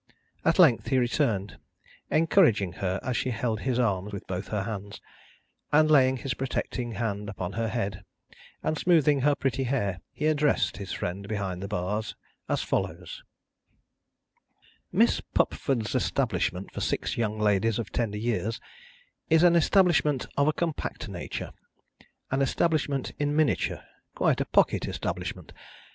At length he returned, encouraging her as she held his arm with both her hands; and laying his protecting hand upon her head and smoothing her pretty hair, he addressed his friend behind the bars as follows: Miss Pupford's establishment for six young ladies of tender years, is an establishment of a compact nature, an establishment in miniature, quite a pocket establishment.